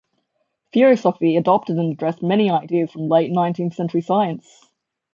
Theosophy adopted and addressed many ideas from late nineteenth century science.